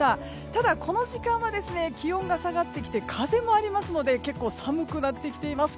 ただ、この時間は気温が下がってきて風もありますので結構、寒くなってきています。